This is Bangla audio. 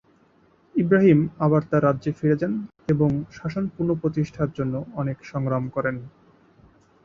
ইব্রাহিম আবার তার রাজ্যে ফিরে যান এবং তার শাসন পুনঃপ্রতিষ্ঠার জন্য অনেক সংগ্রাম করেন।